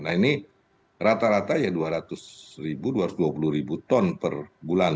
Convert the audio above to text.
nah ini rata rata ya dua ratus ribu dua ratus dua puluh ribu ton per bulan